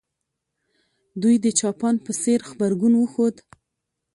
دوی د جاپان په څېر غبرګون وښود.